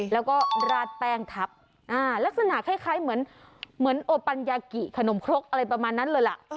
แล้วก็ราดแป้งทับลักษณะคล้ายเหมือนโอปัญญากิขนมครกอะไรประมาณนั้นเลยล่ะ